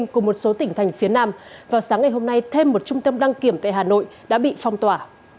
cùng một số tỉnh thành phía nam vào sáng ngày hôm nay thêm một trung tâm đăng kiểm tại hà nội đã bị phong tỏa